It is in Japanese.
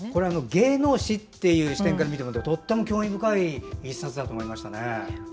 芸能史という視点から見ても、とても興味深い１冊だと思いました。